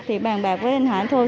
thì bà bà với anh hải thôi